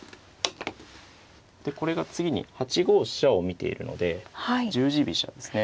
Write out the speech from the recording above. でこれが次に８五飛車を見ているので十字飛車ですね。